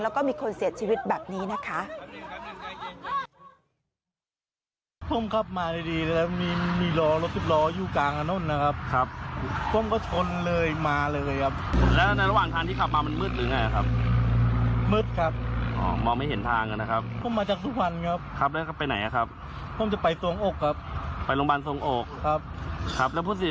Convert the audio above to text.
แล้วก็มีคนเสียชีวิตแบบนี้นะคะ